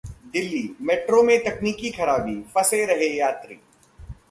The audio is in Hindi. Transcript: दिल्ली: मेट्रो में तकनीकी खराबी, फंसे रहे यात्री